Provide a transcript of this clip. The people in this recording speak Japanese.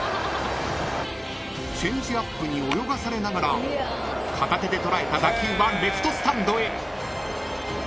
［チェンジアップに泳がされながら片手で捉えた打球はレフトスタンドへ］